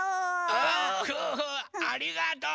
おありがとう！